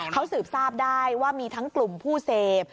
เขาสืบทราบได้ว่ามีทั้งกลุ่มผู้เสพ